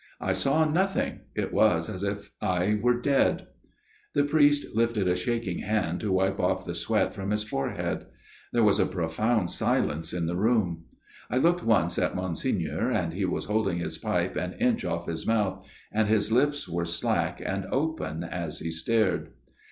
I saw nothing it was as if I were dead." The priest lifted a shaking hand to wipe off the sweat from his forehead. There was a profound silence in the room. I looked once at Monsignor and he was holding his pipe an inch off his mouth, and his lips were slack and open as he stared.